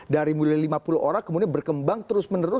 dari mulai lima puluh orang kemudian berkembang terus menerus